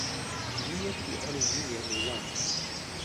mije pi olin mije li lon.